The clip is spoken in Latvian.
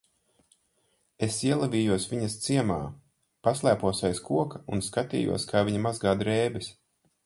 Es ielavījos viņas ciemā, paslēpos aiz koka un skatījos, kā viņa mazgā drēbes.